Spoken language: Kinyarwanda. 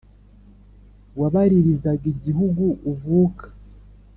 wabaririzaga igihugu uvuka